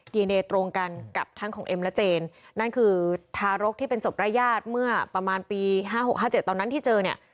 ดีเนตรงกันกับทั้งของเอ็มและเจนนั่นคือทารกที่เป็นศพระยาทเมื่อประมาณปี๕๖๕๗ตอนนั้นที่เจอเนี่ย